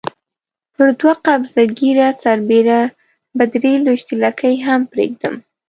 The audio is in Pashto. پر دوه قبضه ږیره برسېره به درې لويشتې لکۍ هم پرېږدم.